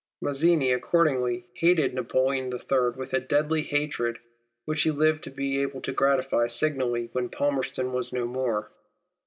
Mazzini accordingly hated Napoleon III. with a deadly hatred, which he lived to be able to gratify signally w^hen Palmerston was no more.